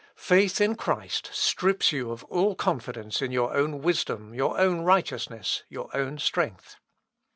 Faith in Christ strips you of all confidence in your own wisdom, your own righteousness, your own strength.